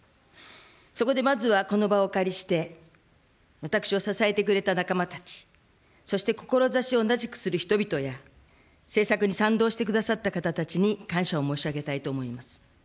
そこでまずはこの場をお借りして、私を支えてくれた仲間たち、そして志を同じくする人々や、政策に賛同してくださった方たちに感謝を申し上げたいと思います。